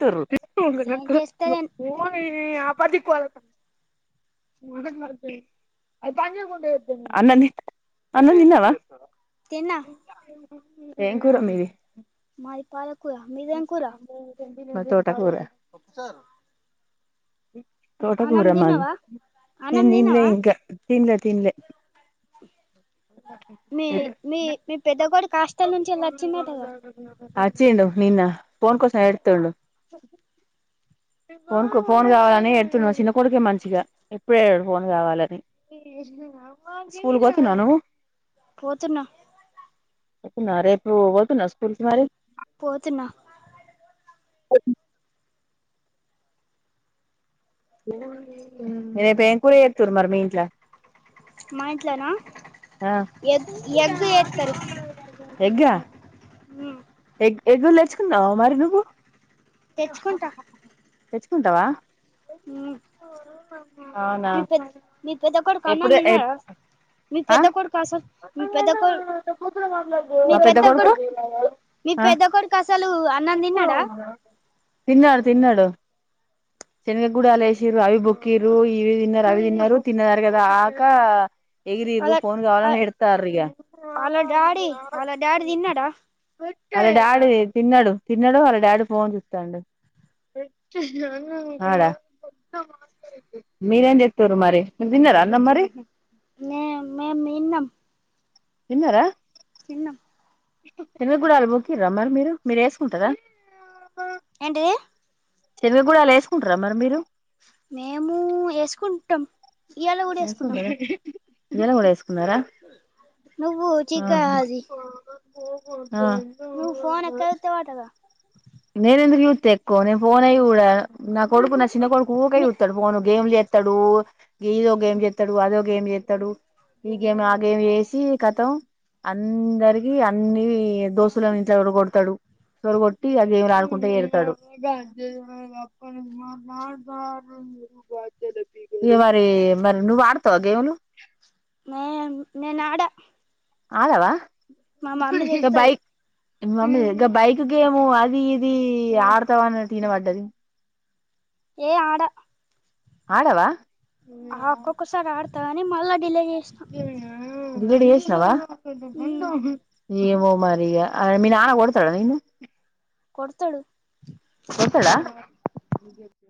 త్తురు ఏం చేస్తలే పోయి ఆపాతి కోవాల [inaudible] అన్నం అన్నం తిన్నవా తిన్నా మ్మి మాది పాల కుర మీదేం కురా మ తో టకూర [inaudible] తోటకూర అన్నం మాది తిన్నావా అన్నం నేను దిన్లే తిన్నావా ఇంకా తిన్లే తిన్లే [inaudible] మీ మీ మీ పెద్దకొడుకు హాస్టల్ నుంచెల్లి వచ్చిండాటాగా వచిండు నిన్న ఫోన్ కోసం ఎడుతుండు ఫోన్ ఫోన్ కావాలని ఎడుతుండు చిన్న కొడుకే మంచిగా ఎప్పుడు ఏడు ఫోన్ కావాలని స్కూల్కి పోతున్నాను్వు పోతున్నా రేపు పోతున్నావా స్కూల్ కి మరి పోతున్నా [inaudible] రేపు ఏం కూర చేతురు మరి మీ ఇంట్ల మా ఇంట్లానా ఆ ఎ ఎగ్గు చేస్తారు ఎగ్గా ఉం ఎగ్గులు తెచుకున్నావా మరి నువ్వు తెచ్చుకుంటా తెచ్చుకుంటావా మ్మ్ [inaudible] అవునా మీ పెద్ద మీ పెద్ద కొడుకు అన్నం ఎప్పుడు తిన్నాడా మీ ఆ పెద్ద కొడుకు అసలు మీ పెద్ద కొడు మా పెద్ద కొడుకు మీ ఆ పెద్ద కొడుకు అసలు అన్నం తిన్నాడా తిన్నాడు తిన్నాడు శనగ గుడాలు ఏసిరు అవి బొక్కిరు ఇవి తిన్నారు అవి తిన్నారు తిన్నది అరిగేదాకా అలా అ అలా డాడీ అలా డాడి దిన్నాడా వాళ్ళ డాడీ తిన్నాడు తిన్నాడు వాళ్ళ డాడీ ఫోన్ చూస్తాడు ఆడా మీరేం చెస్తారు మరి నువ్వు తిన్నార అన్నం మరి మే మేమ్ తిన్నాం తిన్నారా తిన్నాం శేనగ గుడాలు బుక్కిర్రా మీరు మీరు వేసుకుంటారా ఏంటిది శనగ గుడాలు వేసుకుంటారా మరి మీరు మేము వేసుకుంటాం ఇయ్యాల కూడా ఏసు వేసుకున్నాం కుంటారా ఇయ్యల కూడా వేసుకున్నారా నువ్వు ఆహా కోపన్ నువ్ ఫోన్ ఎక్కచూత వాటగా తెకువ నేను పోనే చూడ నా కొడుకు నా చిన్న కొడుకు ఉకే నే చుతడు పోను గేమ్లు ఎత్తాడు గీదొ గేమ్ చేత్తడు అదో గేమ్ చేత్తడు ఈ గేమ్ ఆ గేమ్ చేసి కతం అందరికి అన్ని దోస్తులన్ ఇంట్ల చొరగొడుతాడు సొరగొట్టి ఆ గేమ్లు ఆడుకుంటా చేరుతాడు ఇగ వారి మరి నువు అడుతవ గేములు నేమ్ నేనాడ ఆడ వా మా మామ్మీ తిడుతది మీ మమ్మీ గా బైక్ గేము అది ఇది ఆడతావానటు ఇనబడ్డది ఏ ఆడ ఆడవా ఆ ఒక్కోక్క సారీ ఆడు అని మల్లా డిలేచెత ఏ య బిడి చేసినవా జ జ జై టోపీ ఏమో మరి ఇగ ఆ మీ నాన కొడతాడ నిను కొడుతాడు ఉ